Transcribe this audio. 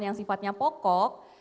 yang sifatnya pokok